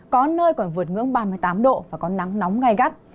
có nơi còn vượt ngưỡng ba mươi tám độ và có nắng nóng gai gắt